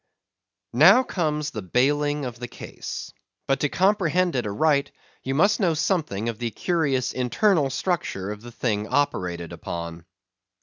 Now comes the Baling of the Case. But to comprehend it aright, you must know something of the curious internal structure of the thing operated upon.